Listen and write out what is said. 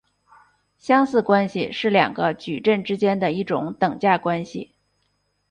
相似关系是两个矩阵之间的一种等价关系。